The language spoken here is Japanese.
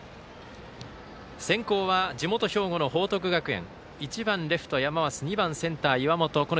先攻は地元・兵庫の報徳学園。